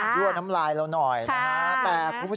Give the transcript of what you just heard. เงินของมาก